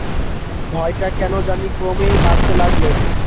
ভয়টা কেন জানি ক্রমেই বাড়তে লাগল।